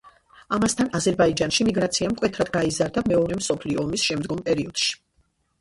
ამასთან, აზერბაიჯანში მიგრაცია მკვეთრად გაიზარდა მეორე მსოფლიო ომის შემდგომ პერიოდში.